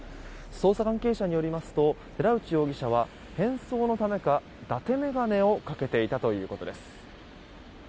捜査関係者によりますと寺内容疑者は変装のためか、伊達眼鏡をかけていたということです。